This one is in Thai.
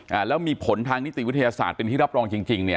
อ่าแล้วมีผลทางนิติวิทยาศาสตร์เป็นที่รับรองจริงจริงเนี่ย